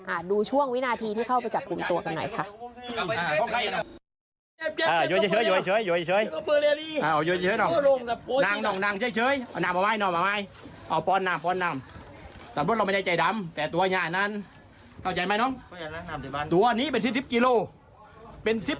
ดูช่วงวินาทีที่เข้าไปจับกลุ่มตัวกันหน่อยค่ะ